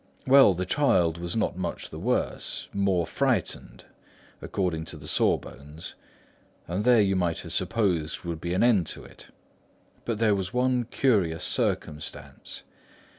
Well, the child was not much the worse, more frightened, according to the sawbones; and there you might have supposed would be an end to it. But there was one curious circumstance.